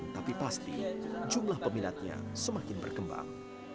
tapi pasti jumlah peminatnya semakin berkembang